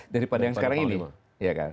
daripada yang sekarang ini